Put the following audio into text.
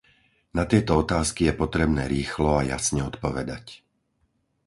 Na tieto otázky je potrebné rýchlo a jasne odpovedať.